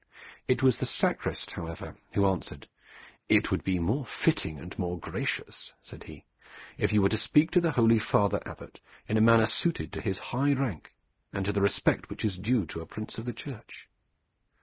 It was the sacrist, however, who answered: "It would be more fitting and more gracious," said he, "if you were to speak to the holy Father Abbot in a manner suited to his high rank and to the respect which is due to a Prince of the Church."